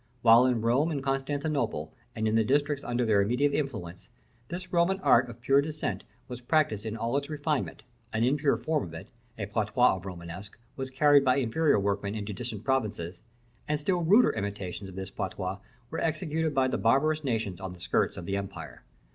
While in Rome and Constantinople, and in the districts under their immediate influence, this Roman art of pure descent was practised in all its refinement, an impure form of it a patois of Romanesque was carried by inferior workmen into distant provinces; and still ruder imitations of this patois were executed by the barbarous nations on the skirts of the empire.